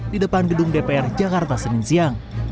di depan gedung dpr jakarta senin siang